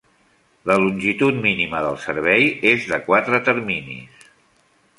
La longitud mínima del servei és de quatre terminis.